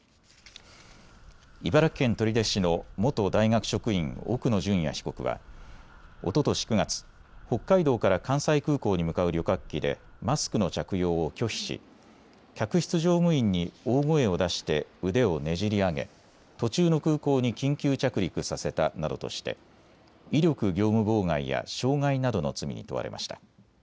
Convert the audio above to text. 茨城県取手市の元大学職員、奥野淳也被告はおととし９月、北海道から関西空港に向かう旅客機でマスクの着用を拒否し客室乗務員に大声を出して腕をねじり上げ、途中の空港に緊急着陸させたなどとして威力業務妨害や傷害などの罪に問われました。